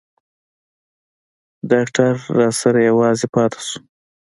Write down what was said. ډاکتر راسره يوازې پاته سو.